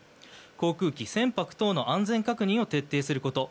航空機、船舶等の安全確認を徹底すること